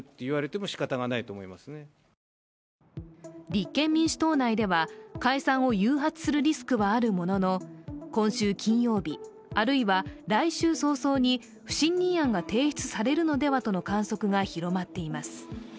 立憲民主党内では、解散を誘発するリスクはあるものの今週金曜日、あるいは来週早々に不信任案が提出されるのではとの観測が広まっています。